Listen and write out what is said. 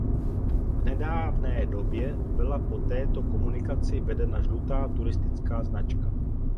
V nedávné době byla po této komunikaci vedena žlutá turistická značka.